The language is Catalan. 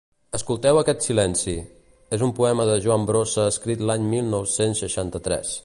«Escolteu aquest silenci» és un poema de Joan Brossa escrit l'any mil nou-cents seixanta-tres.